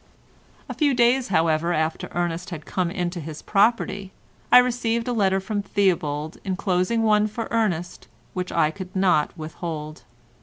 A few days, however, after Ernest had come into his property, I received a letter from Theobald enclosing one for Ernest which I could not withhold.